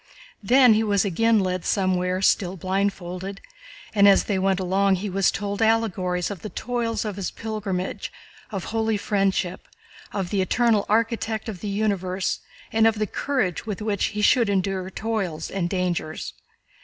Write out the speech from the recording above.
Then he was again led somewhere still blindfolded, and as they went along he was told allegories of the toils of his pilgrimage, of holy friendship, of the Eternal Architect of the universe, and of the courage with which he should endure toils and dangers.